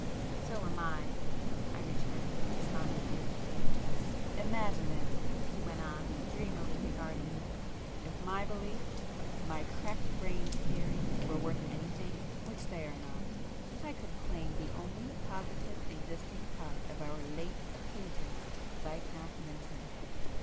"So am I!" I returned despondently. "Imagine it!" he went on, dreamily regarding me—"If my beliefs,—my crack brained theories,—were worth anything,—which they are not—I could claim the only positive existing part of our late acquaintance Viscount Lynton!